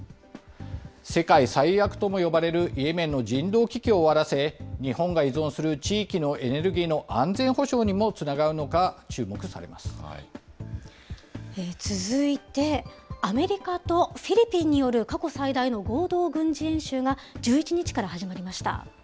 世界最悪とも呼ばれるイエメンの人道危機を終わらせ、日本が依存する地域のエネルギーの安全保障続いてアメリカとフィリピンによる過去最大の合同軍事演習が、１１日から始まりました。